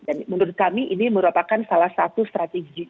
dan menurut kami ini merupakan salah satu strategi